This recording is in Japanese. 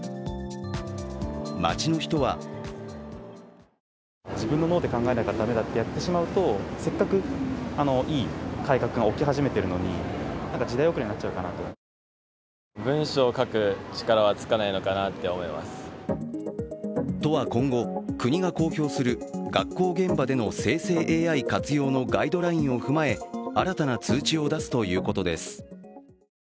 街の人は都は今後、国が公表する学校現場での生成ＡＩ活用のガイドラインを踏まえ、新たな通知を出すということです。